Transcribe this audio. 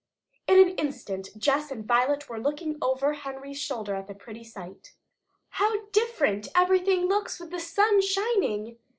In an instant Jess and Violet were looking over Henry's shoulder at the pretty sight. "How different everything looks with the sun shining!"